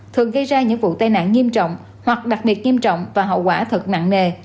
thường gây ra những vụ tai nạn nghiêm trọng hoặc đặc biệt nghiêm trọng và hậu quả thật nặng nề